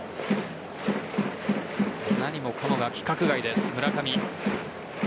何もかもが規格外です、村上。